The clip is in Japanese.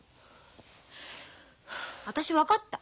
私分かった。